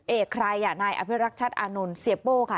เอกใครอ่ะนายอภิรักษ์ชัดอานนท์เสียโป้ค่ะ